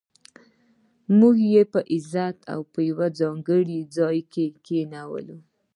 موږ یې په عزت په یو ځانګړي ځای کې کېنولو.